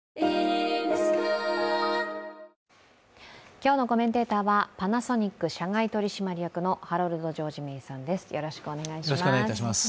今日のコメンテーターはパナソニック社外取締役のハロルド・ジョージ・メイさんです。